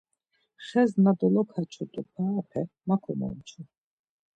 Xes na dolokaçutu parape ma komomçu.